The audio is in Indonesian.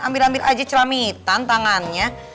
ambil ambil aja celamitan tangannya